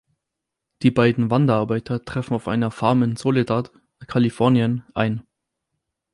Die beiden Wanderarbeiter treffen auf einer Farm in Soledad, Kalifornien, ein.